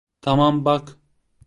Tamam, bak.